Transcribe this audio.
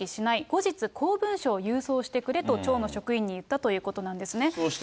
後日、公文書を郵送してくれと町の職員に言ったということなんですね。